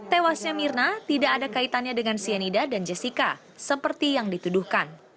tewasnya mirna tidak ada kaitannya dengan cyanida dan jessica seperti yang dituduhkan